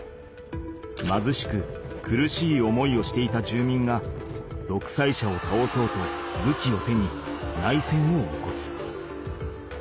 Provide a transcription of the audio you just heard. まずしく苦しい思いをしていた住民がどくさい者をたおそうとぶきを手に内戦を起こす。